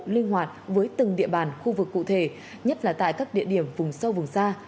linh hoạt với từng địa bàn khu vực cụ thể nhất là tại các địa điểm vùng sâu vùng xa